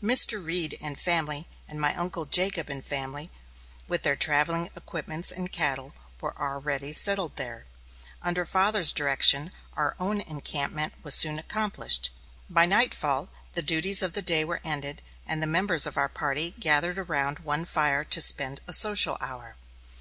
Mr. Reed and family, and my uncle Jacob and family, with their travelling equipments and cattle, were already settled there. Under father's direction, our own encampment was soon accomplished. By nightfall, the duties of the day were ended, and the members of our party gathered around one fire to spend a social hour.